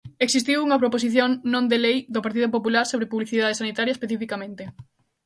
Existiu unha proposición non de lei do Partido Popular sobre publicidade sanitaria especificamente.